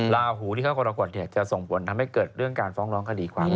ลาหูที่เขากรกฎจะส่งผลทำให้เกิดเรื่องการฟ้องร้องคดีความ